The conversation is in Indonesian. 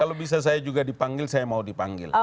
kalau bisa saya juga dipanggil saya mau dipanggil